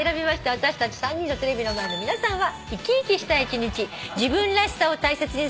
私たち３人とテレビの前の皆さんは。